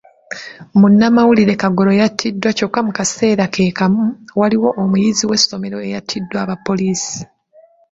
Munnamawulire Kagoro yattiddwa kyokka mu kaseera ke kamu, waliwo omuyizi w'essomero eyattiddwa aba poliisi